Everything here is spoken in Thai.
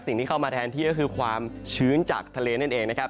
สิ่งที่เข้ามาแทนที่ก็คือความชื้นจากทะเลนั่นเองนะครับ